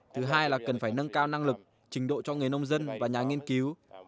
thứ hai là cần phải nâng cao năng lực trình độ cho người nông dân và nhà nghiên cứu